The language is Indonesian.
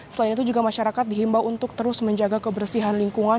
selain itu juga masyarakat dihimbau untuk terus menjaga kebersihan lingkungan